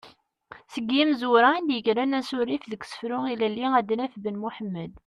Seg yimezwura i yegren asurif deg usefru ilelli ad naf Ben Muḥemmed.